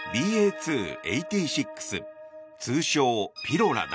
．２．８６通称ピロラだ。